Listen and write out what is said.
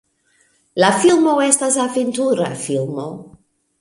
La filmo estas aventura filmo.